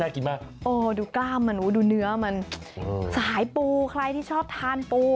กินมากโอ้ดูกล้ามมันดูเนื้อมันสายปูใครที่ชอบทานปู